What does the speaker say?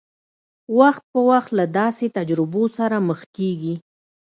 وخت په وخت له داسې تجربو سره مخ کېږي.